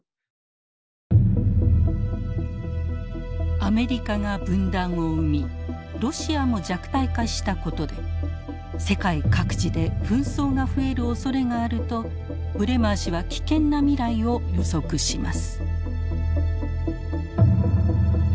アメリカが分断を生みロシアも弱体化したことで世界各地で紛争が増えるおそれがあるとブレマー氏は危険な未来を予測します。